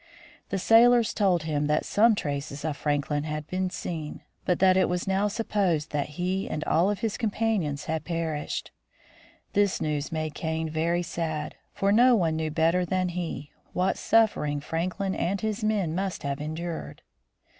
The sailors told him that some traces of Franklin had been seen, but that it was now supposed that he and all of his companions had perished. This news made Kane very sad, for no one knew better than he what suffering Frank lin and his men must have endured.